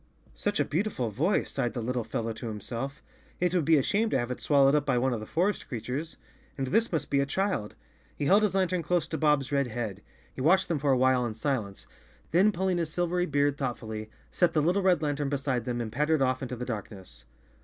"Such a beautiful voice," sighed the little fellow to himself. " It would be a shame to have it swallowed up by one of the forest creatures. And this must be a child." He held his lantern close to Bob's red head. He watched them for a while in silence, then pulling his silvery beard thoughtfully, set the little red lan¬ tern beside them and pattered off into the darkness.